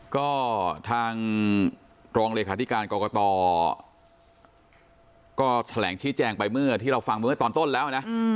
ก็ทางรองเลขาธิการกรกตก็แถลงชี้แจงไปเมื่อที่เราฟังเมื่อตอนต้นแล้วนะ